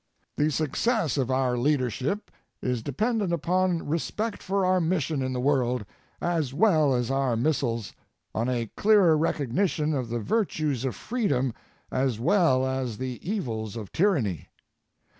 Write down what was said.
The success of our leadership is dependent upon respect for our mission in the world as well as our missiles ŌĆō on a clearer recognition of the virtues of freedom as well as the evils of tyranny.